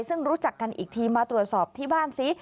ซึ่งรู้จักกันอีกทีมาตรวจสอบที่บ้านซิ